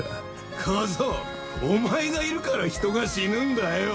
小僧お前がいるから人が死ぬんだよ！